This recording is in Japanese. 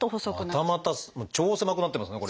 またまた超狭くなってますね